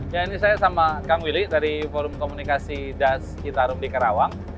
ya ini saya sama kang willy dari forum komunikasi das citarum di karawang